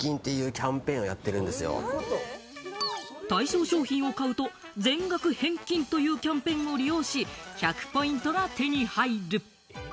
対象商品を買うと全額返金というキャンペーンを利用し、１００ポイントが手に入る。